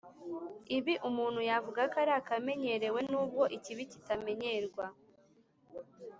ibi umuntu yavuga ko ari akamenyerewe nubwo ikibi kitamenyerwa